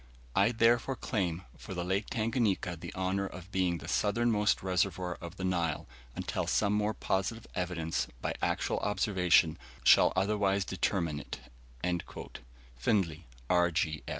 "I therefore claim for Lake Tanganika the honour of being the SOUTHERNMOST RESERVOIR OF THE NILE, until some more positive evidence, by actual observation, shall otherwise determine it." Findlay, R.